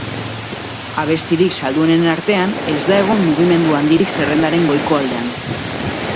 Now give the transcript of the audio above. Abestirik salduenen artean, ez da egon mugimendu handirik zerrendaren goiko aldean.